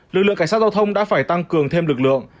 lực lượng cảnh sát giao thông đã phải tăng cường thêm lực lượng